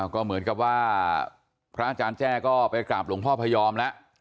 ก็เหมือนกับว่าพระอาจารย์แจ้ก็ไปกราบหลวงพ่อพยอมแล้ว